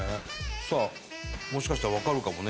さあもしかしたらわかるかもね。